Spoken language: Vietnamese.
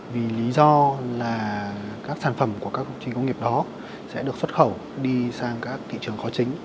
vì lý do là các sản phẩm của các công trình công nghiệp đó sẽ được xuất khẩu đi sang các thị trường khó chính